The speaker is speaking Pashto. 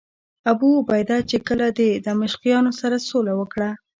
ابوعبیده چې کله له دمشقیانو سره سوله وکړه.